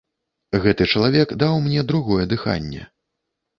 Гэты чалавек даў мне другое дыханне.